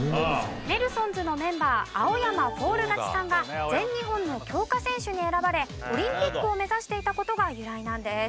ネルソンズのメンバー青山フォール勝ちさんが全日本の強化選手に選ばれオリンピックを目指していた事が由来なんです。